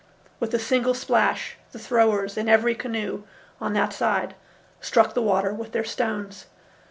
With a single splash the throwers in every canoe on that side struck the water with their stones.